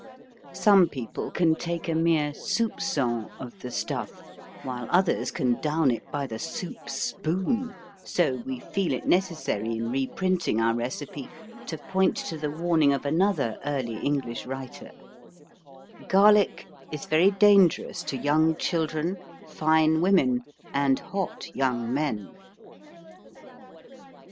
Some people can take a mere soupçon of the stuff, while others can down it by the soup spoon, so we feel it necessary in reprinting our recipe to point to the warning of another early English writer: "Garlic is very dangerous to young children, fine women and hot young men."